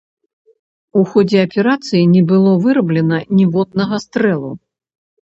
У ходзе аперацыі не было выраблена ніводнага стрэлу.